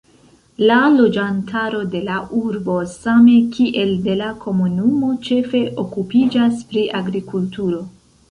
La loĝantaro de la urbo same kiel de la komunumo ĉefe okupiĝas pri agrikulturo.